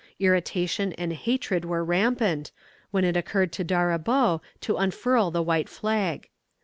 Irritation and hatred were rampant, when it occurred to D'Auribeau to unfurl the white flag.